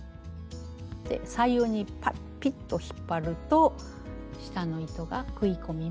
左右にピッと引っ張ると下の糸が食い込みます。